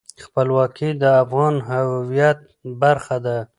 خپلواکي د افغان هویت برخه ده.